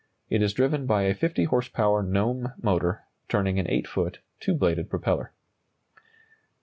It is driven by a 50 horsepower Gnome motor, turning an 8 foot, two bladed propeller.